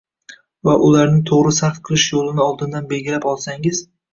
va ularni to‘g‘ri sarf qilish yo‘lini oldindan belgilab olsangiz